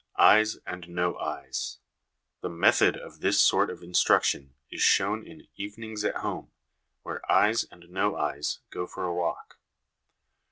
Eyes and No eyes. The method of this sort of in struction is shown in Evenings at Home, where ' Eyes and No eyes' go for a walk.